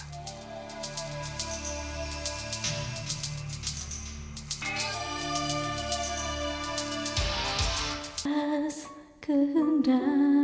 aku belum selesai bicara